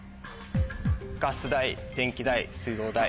ガス代電気代水道代。